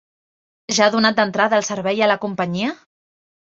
Ja ha donat d'entrada el servei a la companyia?